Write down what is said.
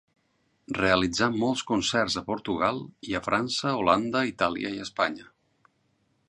Realitzà molts concerts a Portugal i a França, Holanda, Itàlia i Espanya.